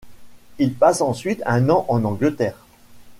Il passe ensuite un an en Angleterre.